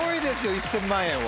１０００万円は。